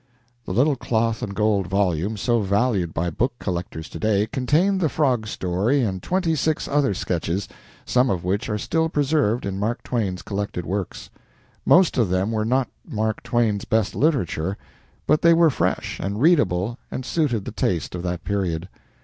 The little cloth and gold volume, so valued by book collectors to day, contained the frog story and twenty six other sketches, some of which are still preserved in Mark Twain's collected works. Most of them were not Mark Twain's best literature, but they were fresh and readable and suited the taste of that period.